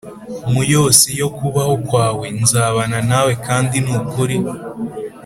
mu yose yo kubaho kwawe c Nzabana nawe kandi nukuri